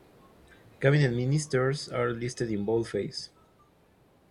Cabinet ministers are listed in boldface.